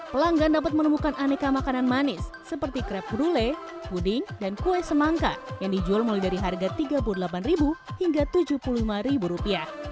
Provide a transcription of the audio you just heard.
pelanggan dapat menemukan aneka makanan manis seperti krep kedule puding dan kue semangka yang dijual mulai dari harga rp tiga puluh delapan hingga rp tujuh puluh lima